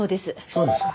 そうですか。